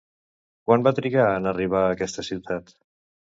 Quant va trigar en arribar a aquesta ciutat?